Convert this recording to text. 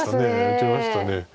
打ちました。